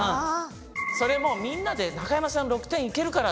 それもみんなで「中山さん６点いけるから！」